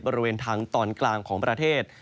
บริเวณทางตอนกลางของประเทศ